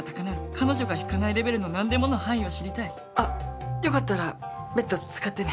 彼女が引かないレベルの「何でも」の範囲を知りたいあっよかったらベッド使ってね。